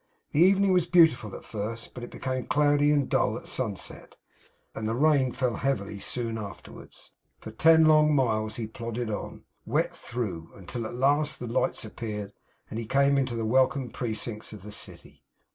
The evening was beautiful at first, but it became cloudy and dull at sunset, and the rain fell heavily soon afterwards. For ten long miles he plodded on, wet through, until at last the lights appeared, and he came into the welcome precincts of the city.